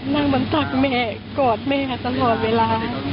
เหมือนตักแม่กอดแม่ตลอดเวลา